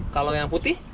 kalau yang putih